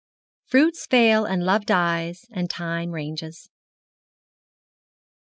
'FRUITS FAIL AND LOVE DIES AND TIME RANGES.'